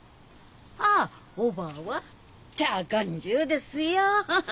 あおばぁはちゃーがんじゅうですよ。